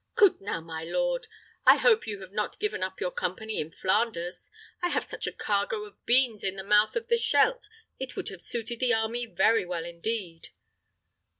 "Coot now, my lord, I hope you have not given up your company in Flanders. I have such a cargo of beans in the mouth of the Scheldt, it would have suited the army very well indeet."